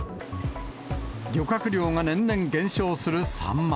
漁獲量が年々減少するサンマ。